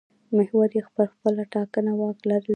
محور یې پر خپله ټاکنه واک لرل دي.